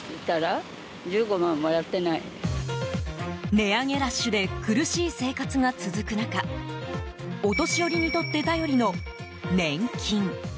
値上げラッシュで苦しい生活が続く中お年寄りにとって頼りの年金。